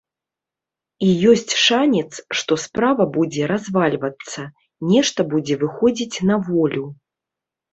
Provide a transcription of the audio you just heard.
І ёсць шанец, што справа будзе развальвацца, нешта будзе выходзіць на волю.